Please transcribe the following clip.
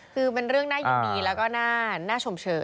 คือเป็นเรื่องน่ายินดีแล้วก็น่าชมเชิง